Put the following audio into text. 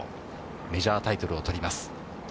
メジャータイトルをとります。